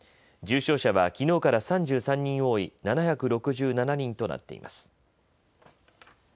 重症者はきのうから３３人多い７６７人となっています。